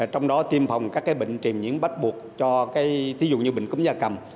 trong đó tiêm phòng các bệnh truyền nhiễm bắt buộc cho ví dụ như bệnh cúng da cầm